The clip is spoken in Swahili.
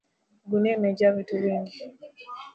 Gunia imejaa vitu nyingi.